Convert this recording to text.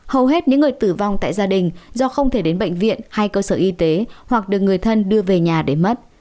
hầu hết những người tử vong tại gia đình do không thể đến bệnh viện hay cơ sở y tế hoặc được người thân đưa về nhà để mất